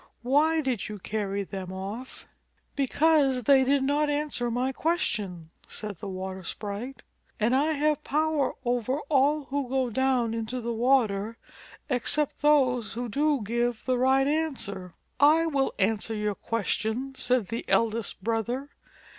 "Why did you carry them off?" "Because they did not answer my question," said the water sprite, "and I have power over all who go down into the water except those who do give the right answer." JATAKA TALES "I will answer your question/' said the eldest brother.